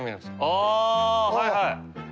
あはいはい。